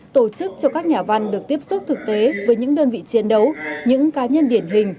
tổ chức cho các nhà văn được tiếp xúc thực tế với những đơn vị chiến đấu những cá nhân điển hình